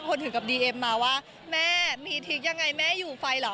ถึงกับดีเอ็มมาว่าแม่มีทิศยังไงแม่อยู่ไฟเหรอ